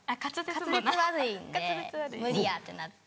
滑舌悪いんで無理やってなって。